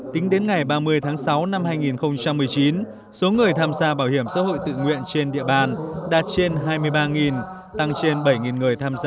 tính đến ngày ba mươi tháng sáu năm hai nghìn một mươi chín số người tham gia bảo hiểm xã hội tự nguyện trên địa bàn đạt trên hai mươi ba